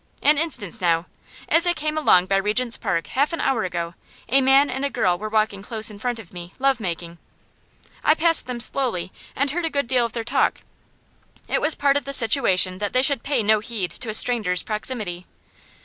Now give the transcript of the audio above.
An instance, now. As I came along by Regent's Park half an hour ago a man and a girl were walking close in front of me, love making; I passed them slowly and heard a good deal of their talk it was part of the situation that they should pay no heed to a stranger's proximity.